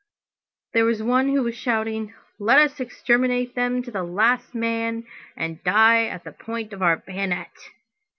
There was one who was shouting: "Let us exterminate them to the last man and die at the point of our bayonet."